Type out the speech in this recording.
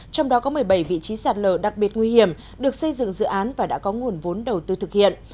trong đó có một mươi bảy vị trí sạt lở đặc biệt nguy hiểm được xây dựng dự án và đã có nguồn vốn đầu tư thực hiện